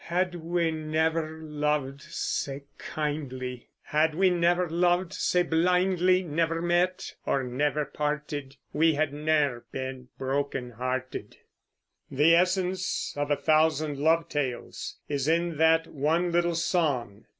Had we never lov'd sae kindly, Had we never lov'd sae blindly, Never met or never parted We had ne'er been broken hearted. The "essence of a thousand love tales" is in that one little song.